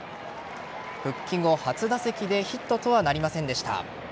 復帰後初打席でヒットとはなりませんでした。